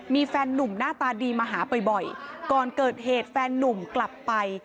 มีแฟนหนุ่มหน้าตาดีมาหาบ่อยก่อนเกิดเหตุแฟนนุ่มกลับไป